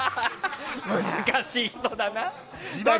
難しい人だな。